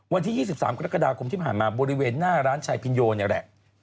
วันที่๒๓กรกฎาคมที่ผ่านมาบริเวณหน้าร้านชายพินโยนี่แหละ